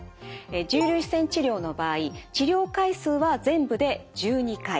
重粒子線治療の場合治療回数は全部で１２回。